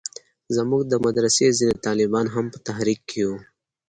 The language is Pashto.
زموږ د مدرسې ځينې طالبان هم په تحريک کښې وو.